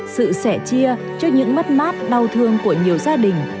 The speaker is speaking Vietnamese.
sự sẻ chia cho những mất mát đau thương của nhiều gia đình